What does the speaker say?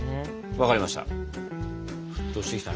分かりました。